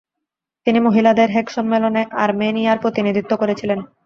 তিনি মহিলাদের হেগ সম্মেলনে আর্মেনিয়ার প্রতিনিধিত্ব করেছিলেন।